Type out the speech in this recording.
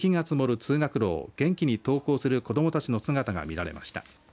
通学路を元気に登校する子どもたちの姿が見られました。